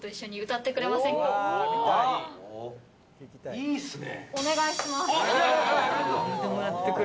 いいっすね！